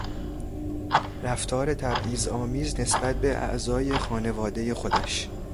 رفتار تبعیضآمیز نسبت به اعضای خانوادهی خودش